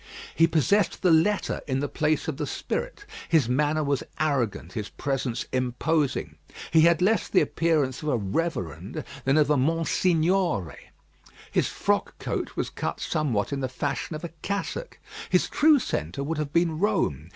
He possessed the letter in the place of the spirit. His manner was arrogant; his presence imposing. He had less the appearance of a "Reverend" than of a Monsignore. His frock coat was cut somewhat in the fashion of a cassock. His true centre would have been Rome.